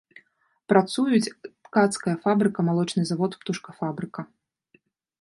Працуюць ткацкая фабрыка, малочны завод, птушкафабрыка.